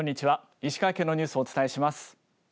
石川県のニュースをお伝えします。